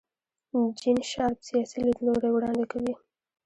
جین شارپ سیاسي لیدلوری وړاندې کوي.